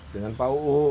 dengan pak uu